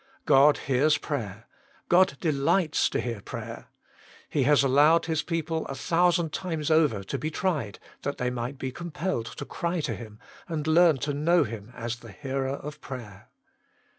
God hears prayer God delights to hear prayer. He has allowed His people a thousand times over to be tried, that they might be compelled to cry to Him, and learn to know Him as the Hearer of Prayer.